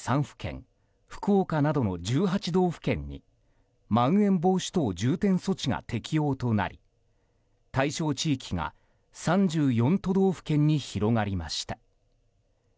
３府県福岡などの１８道府県にまん延防止等重点措置が適用となり対象地域が３４都道府県に広がりました。